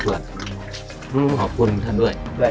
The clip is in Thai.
จริงขอบคุณท่านด้วย